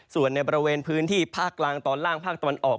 ส่วนในบริเวณพื้นที่ภาคกลางตอนล่างภาคตะวันออก